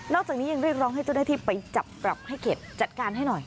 จากนี้ยังเรียกร้องให้เจ้าหน้าที่ไปจับปรับให้เข็ดจัดการให้หน่อย